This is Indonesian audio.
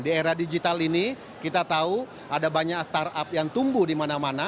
di era digital ini kita tahu ada banyak startup yang tumbuh di mana mana